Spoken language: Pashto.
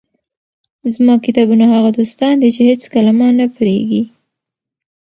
زما کتابونه هغه دوستان دي، چي هيڅکله مانه پرېږي.